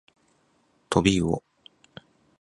とびうお